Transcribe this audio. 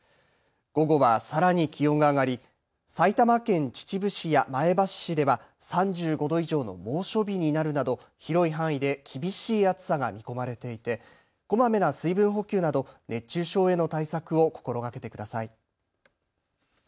午後はさらに気温が上がり埼玉県秩父市や前橋市では３５度以上の猛暑日になるなど広い範囲で厳しい暑さが見込まれていて、こまめな水分補給など熱中症への対策を心がけてください。